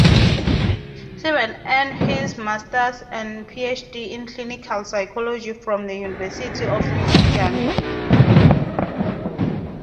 Siebert earned his master's and PhD in clinical psychology from the University of Michigan.